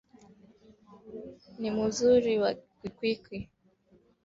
Ni muzuri kwikala na mkambo eko na teka arishi